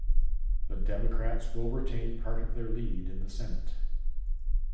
The Democrats will retain part of their lead in the Senate.